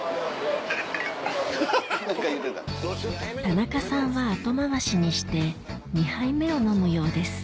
田中さんは後回しにして２杯目を飲むようです